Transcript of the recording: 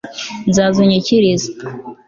nzaza unyikirize